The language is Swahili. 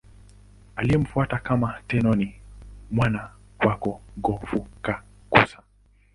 Aliyemfuata kama Tenno ni mwana wake Go-Fukakusa.